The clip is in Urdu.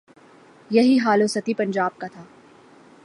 یہی حال وسطی پنجاب کا تھا۔